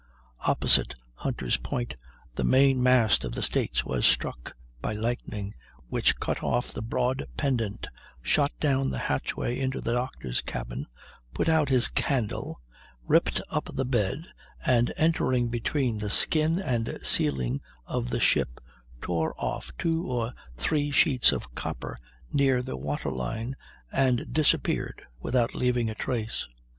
Opposite Hunter's Point the main mast of the States was struck by lightning, which cut off the broad pendant, shot down the hatchway into the doctor's cabin, put out his candle, ripped up the bed, and entering between the skin and ceiling of the ship tore off two or three sheets of copper near the waterline, and disappeared without leaving a trace!